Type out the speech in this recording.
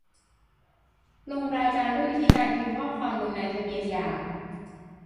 ลงรายการด้วยวิธีการพิมพ์ข้อความลงในทะเบียนหย่า